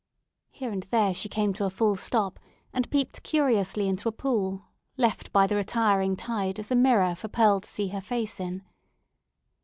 Here and there she came to a full stop, and peeped curiously into a pool, left by the retiring tide as a mirror for Pearl to see her face in.